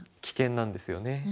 危険なんですよね。